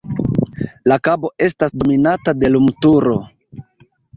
La kabo estas dominata de lumturo.